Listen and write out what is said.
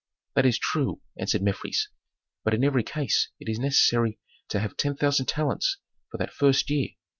"That is true," answered Mefres, "but in every case it is necessary to have ten thousand talents for that first year.